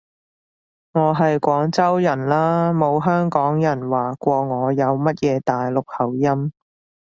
我係廣州人啦，冇香港人話過我有乜嘢大陸口音